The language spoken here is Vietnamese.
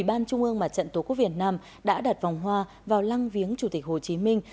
ban trung ương mặt trận tổ quốc việt nam đã đặt vòng hoa vào lăng viếng chủ tịch hồ chí minh